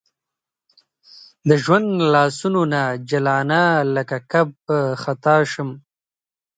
د ژوند لاسونو نه جلانه لکه کب خطا شم